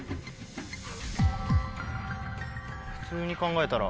普通に考えたら。